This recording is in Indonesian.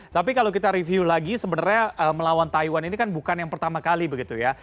tapi kalau kita review lagi sebenarnya melawan taiwan ini kan bukan yang pertama kali begitu ya